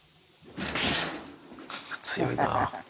強いな。